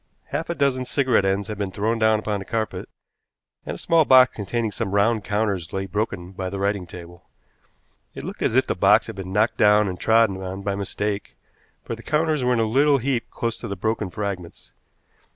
Half a dozen cigarette ends had been thrown down upon the carpet, and a small box containing some round counters lay broken by the writing table. It looked as if the box had been knocked down and trodden on by mistake, for the counters were in a little heap close to the broken fragments.